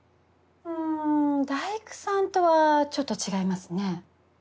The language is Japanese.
んん大工さんとはちょっと違いますね。